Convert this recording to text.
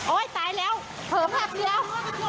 โอ๊ยตายแล้วเผิร์มครับเดี๋ยว